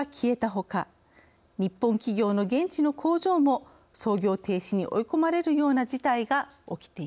ほか日本企業の現地の工場も操業停止に追い込まれるような事態が起きています。